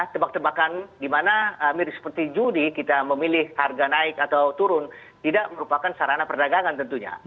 tebak tebakan di mana mirip seperti judi kita memilih harga naik atau turun tidak merupakan sarana perdagangan tentunya